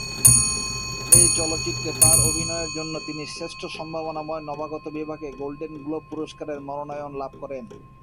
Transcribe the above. এই চলচ্চিত্রে তার অভিনয়ের জন্য তিনি শ্রেষ্ঠ সম্ভাবনাময় নবাগত বিভাগে গোল্ডেন গ্লোব পুরস্কারের মনোনয়ন লাভ করেন।